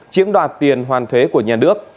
chiếm đoạt tiền hoàn thuế của nhà nước